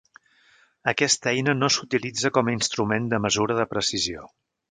Aquesta eina no s'utilitza com a instrument de mesura de precisió.